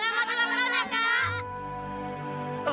selamat ulang tahun kak